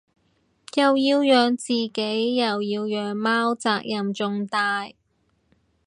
又要養自己又要養貓責任重大